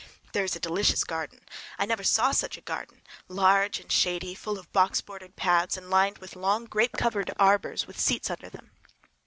There is a delicious garden! I never saw such a garden—large and shady, full of box bordered paths, and lined with long grape covered arbors with seats under them.